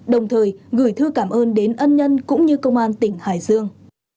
đồng thời gửi thư cảm ơn đến ân nhân cũng như công an tỉnh hải dương